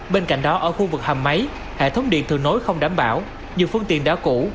bên cạnh đó ở khu vực hầm máy hệ thống điện thường nối không đảm bảo nhiều phương tiện đã cũ